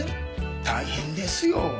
大変ですよ。